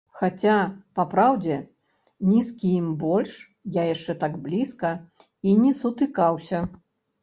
Хаця, па праўдзе, ні з кім больш я яшчэ так блізка і не сутыкаўся.